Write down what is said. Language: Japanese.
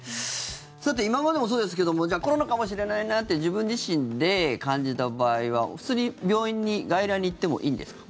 さて、今までもそうですけどもコロナかもしれないなって自分自身で感じた場合は普通に病院に外来に行ってもいいんですか？